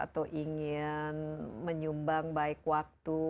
atau ingin menyumbang baik waktu